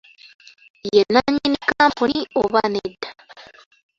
Ye nnannyini kkampuni oba nedda?